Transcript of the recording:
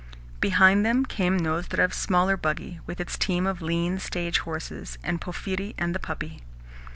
Behind them came Nozdrev's smaller buggy, with its team of lean stage horses and Porphyri and the puppy.